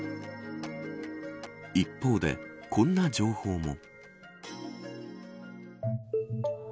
一方で、こんな情報も。